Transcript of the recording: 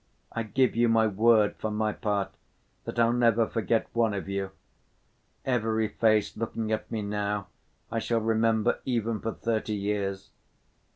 I give you my word for my part that I'll never forget one of you. Every face looking at me now I shall remember even for thirty years.